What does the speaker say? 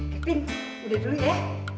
kevin udah dulu ya